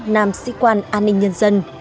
nam sĩ quan an ninh nhân dân